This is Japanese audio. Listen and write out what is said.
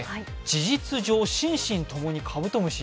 「事実上心身ともにカブトムシ」